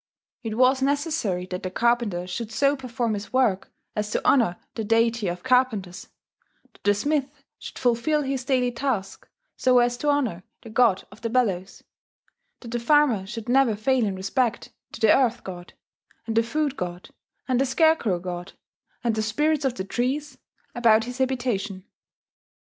It was necessary that the carpenter should so perform his work as to honour the deity of carpenters, that the smith should fulfil his daily task so as to honour the god of the bellows, that the farmer should never fail in respect to the earth god, and the food god, and the scare crow god, and the spirits of the trees about his habitation.